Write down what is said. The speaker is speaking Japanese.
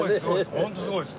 本当すごいです。